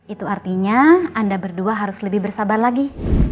itu artinya anda berdua harus lebih bersabar lagi